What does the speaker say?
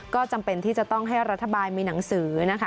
ก็จำเป็นที่จะต้องให้รัฐบาลมีหนังสือนะคะ